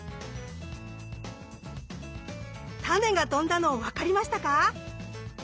タネが飛んだの分かりましたか？